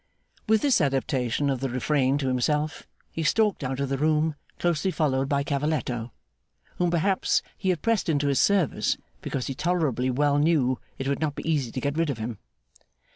With this adaptation of the Refrain to himself, he stalked out of the room closely followed by Cavalletto, whom perhaps he had pressed into his service because he tolerably well knew it would not be easy to get rid of him.